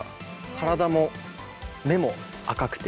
体も目も赤くて。